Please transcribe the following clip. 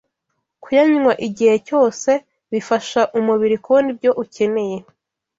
Kuyanywa igihe cyose, bifasha umubiri kubona ibyo ukeneye,